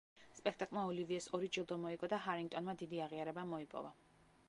სპექტაკლმა ოლივიეს ორი ჯილდო მოიგო და ჰარინგტონმა დიდი აღიარება მოიპოვა.